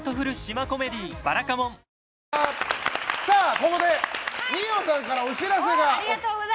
ここで二葉さんからお知らせが。